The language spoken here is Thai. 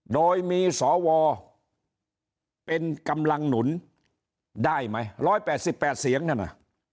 โดยมีสอวอเป็นกำลังหนุนได้ไหมร้อยแปดสิบแปดเสียงนั่นน่ะ